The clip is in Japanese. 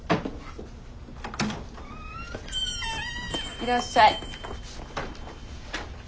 いらっしゃい。